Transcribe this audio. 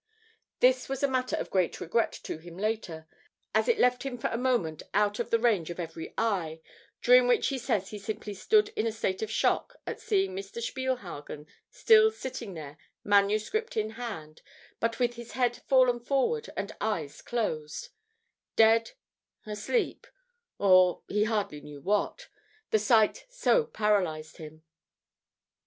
This was a matter of great regret to him later, as it left him for a moment out of the range of every eye, during which he says he simply stood in a state of shock at seeing Mr. Spielhagen still sitting there, manuscript in hand, but with head fallen forward and eyes closed; dead, asleep or he hardly knew what; the sight so paralysed him.